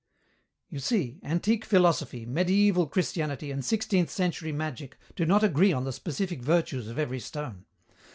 "You see, antique philosophy, mediæval Christianity, and sixteenth century magic do not agree on the specific virtues of every stone.